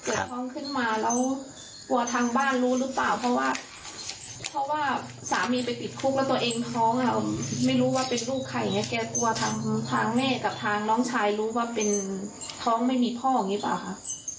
ท้องขึ้นมาแล้วกลัวทางบ้านรู้หรือเปล่าเพราะว่าเพราะว่าสามีไปติดคุกแล้วตัวเองท้องอ่ะไม่รู้ว่าเป็นลูกใครอย่างเงี้แกกลัวทางทางแม่กับทางน้องชายรู้ว่าเป็นท้องไม่มีพ่ออย่างนี้เปล่าค่ะ